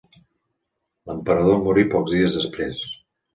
L'emperador morí pocs dies després.